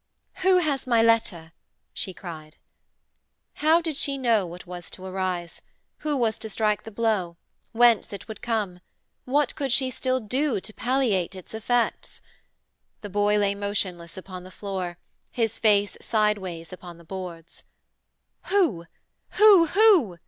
'Who has my letter?' she cried. How did she know what was to arise: who was to strike the blow: whence it would come: what could she still do to palliate its effects? The boy lay motionless upon the floor, his face sideways upon the boards. 'Who? Who? Who?'